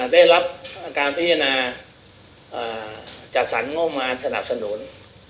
๒ได้รับอาการพิจารณาจัดสรรค์ง่วงมารสนับสนุน